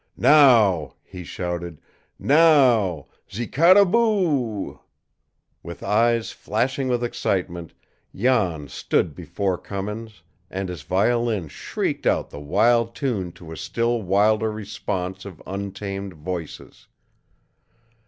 "Now!" he shouted. "Now! 'Ze cariboo oo oo '" With eyes flashing with excitement, Jan stood before Cummins, and his violin shrieked out the wild tune to a still wilder response of untamed voices.